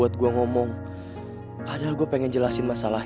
apa gue manfaatin aja bisnis geng serigala